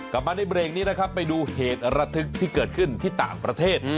กลับมาในเบรกนี้นะครับไปดูเหตุระทึกที่เกิดขึ้นที่ต่างประเทศ